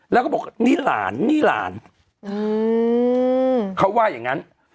แล้วก็บอกนี่หลานนี่หลาน